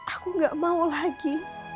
aku gak mau lagi